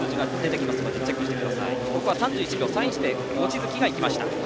ここは３１秒３１で望月が行きました。